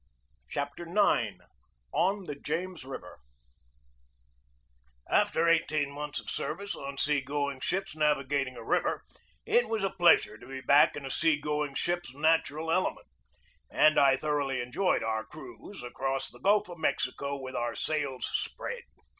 CHAPTER IX ON THE JAMES RIVER AFTER eighteen months of service on sea going ships navigating a river, it was a pleasure to be back in a sea going ship's natural element; and I thor oughly enjoyed our cruise across the Gulf of Mexico with our sails spread.